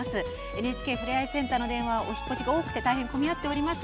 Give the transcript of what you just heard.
ＮＨＫふれあいセンターの電話はお引っ越しが多くて大変込み合っております。